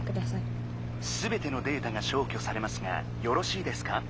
「すべてのデータがしょうきょされますがよろしいですか？」。